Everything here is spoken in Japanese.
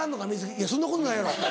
いやそんなことないやろ。